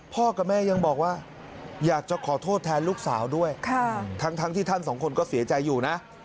กับแม่ยังบอกว่าอยากจะขอโทษแทนลูกสาวด้วยทั้งที่ท่านสองคนก็เสียใจอยู่นะ